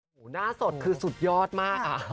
หน้าสดคือสุดยอดมากค่ะ